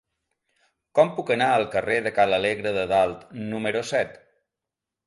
Com puc anar al carrer de Ca l'Alegre de Dalt número set?